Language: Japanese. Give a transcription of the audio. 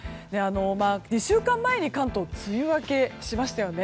２週間前に関東は梅雨明けしましたよね。